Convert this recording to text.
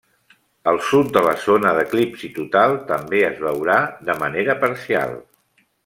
Al sud de la zona d'eclipsi total també es veurà de manera parcial.